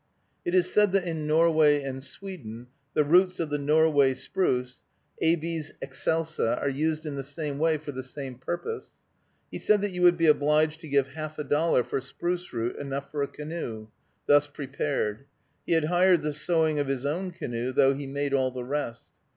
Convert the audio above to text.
It is said that in Norway and Sweden the roots of the Norway spruce (Abies excelsa) are used in the same way for the same purpose. He said that you would be obliged to give half a dollar for spruce root enough for a canoe, thus prepared. He had hired the sewing of his own canoe, though he made all the rest.